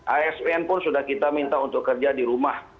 asn pun sudah kita minta untuk kerja di rumah